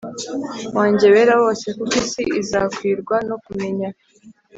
Wanjye Wera Wose Kuko Isi Izakwirwa No Kumenya